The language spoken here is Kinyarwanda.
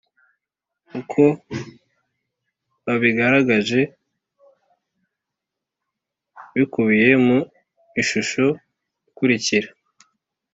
Uko babigaragaje bikubiye mu ishusho ikurikira